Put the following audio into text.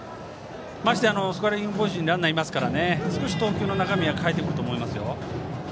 スコアリングポジションにランナーがいますから少し投球の中身は変えてくると思いますよ。